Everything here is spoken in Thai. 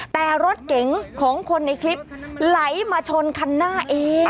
แต่รถเก๋งของคนในคลิปไหลมาชนคันหน้าเอง